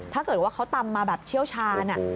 ถ้าเกิดว่าเขาตำมาแบบเชี่ยวชาญ